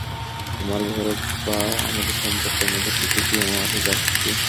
তোমার ব্যাপারে বা আমাদের সম্পর্কের মধ্যে কিছু কি এমন আছে যা সত্যি?